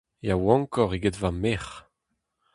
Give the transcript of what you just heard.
Yaouankoc'h eget va merc'h…